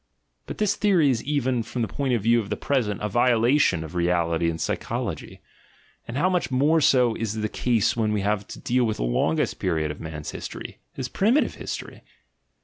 But this theory is even, from the point of view of the present, a violation of reality and psychology: and how much more so is the case when we have to deal with the longest period of man's history, his primitive history!